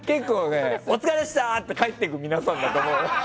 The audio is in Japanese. お疲れした！って帰っていく皆さんだと思う。